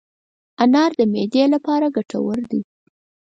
انار د معدې لپاره ګټور دی.